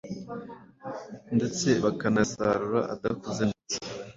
ndetse bakanayasarura adakuze neza